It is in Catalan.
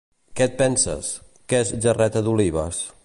Què et penses, que és gerreta d'olives?